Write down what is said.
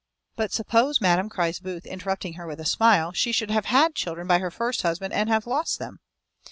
"But suppose, madam," cries Booth, interrupting her with a smile, "she should have had children by her first husband, and have lost them?"